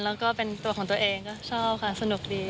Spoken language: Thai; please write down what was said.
แล้วก็เป็นตัวของตัวเองก็ชอบค่ะสนุกดี